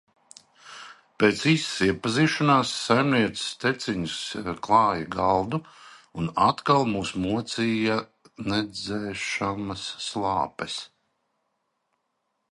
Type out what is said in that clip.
Pēc īsas iepazīšanās, saimnieces teciņus klāja galdu un atkal mūs mocīja nedzēšamas slāpes.